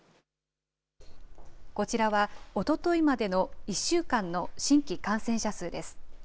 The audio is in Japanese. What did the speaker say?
こちらは、おとといまでの１週間の新規感染者数です。